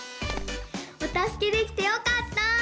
おたすけできてよかった！